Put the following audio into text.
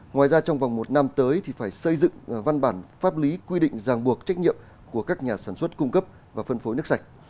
ngoài ra trong vòng một năm tới thì phải xây dựng văn bản pháp lý quy định giang buộc trách nhiệm của các nhà sản xuất cung cấp và phân phối nước sạch